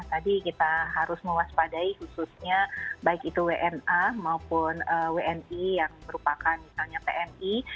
tadi kita harus mewaspadai khususnya baik itu wna maupun wni yang merupakan misalnya tni